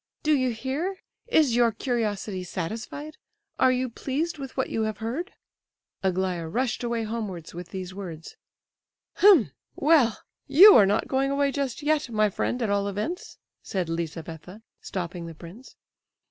"Do you hear? Is your curiosity satisfied? Are you pleased with what you have heard?" Aglaya rushed away homewards with these words. "H'm! well, you are not going away just yet, my friend, at all events," said Lizabetha, stopping the prince.